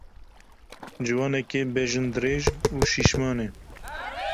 Ciwanekî bejindirêj û şîşman e.